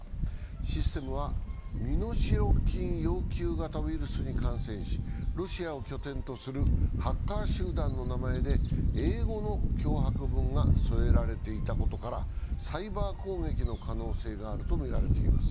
システムは身代金要求型ウイルスに感染しロシアを拠点とするハッカー集団の名前で英語の脅迫文が添えられていたことからサイバー攻撃の可能性があるとみられています。